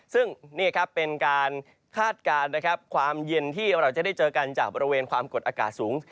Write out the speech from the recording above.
ซึ่งนี่ครับเป็นการคาดการณ์นะครับความเย็นที่เราจะได้เจอกันจากบริเวณความกดอากาศสูง